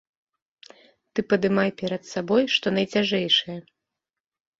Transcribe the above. Ты падымай перад сабой што найцяжэйшае.